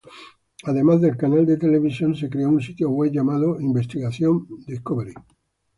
Además del canal de televisión, se creó un sitio web llamado Investigation Discovery.